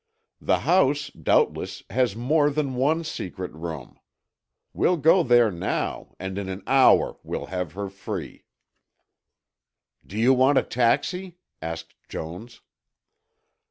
The house, doubtless, has more than one secret room. We'll go out there now, and in an hour we'll have her free." "Do you want a taxi?" asked Jones.